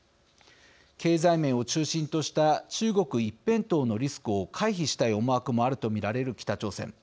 経済面を中心とした中国一辺倒のリスクを回避したい思惑もあると見られる北朝鮮。